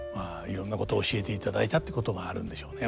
いろんなこと教えていただいたってことがあるんでしょうね。